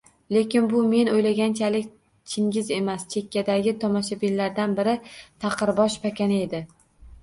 Lekin bu men oʻylaganchalik Chingiz emas, chekkadagi tomoshabinlardan biri – taqirbosh pakana edi.